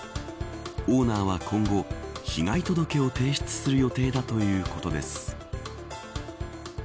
オーナーは今後被害届を提出する予定だということです。